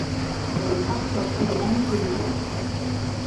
Elle est parfois plus grande que les autres.